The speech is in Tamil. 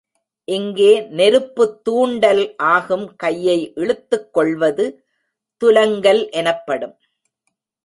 இங்கே நெருப்பு தூண்டல் ஆகும் கையை இழுத்துக் கொள்வது துலங்கல் எனப்படும்.